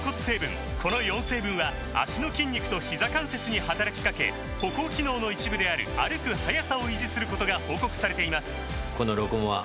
この４成分は脚の筋肉とひざ関節に働きかけ歩行機能の一部である歩く速さを維持することが報告されています